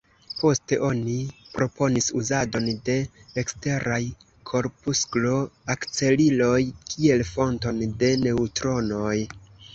Poste oni proponis uzadon de eksteraj korpusklo-akceliloj kiel fonton de neŭtronoj.